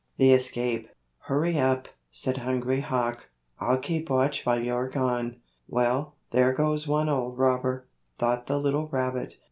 THE ESCAPE "Hurry up," said Hungry Hawk. "I'll keep watch while you're gone." "Well, there goes one old robber," thought the little rabbit.